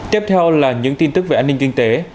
tiếp theo là những tin tức về an ninh kinh tế